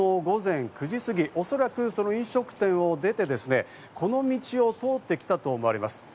昨日の午前９時すぎ、おそらく、その飲食店を出てですね、この道を通ってきたと思われます。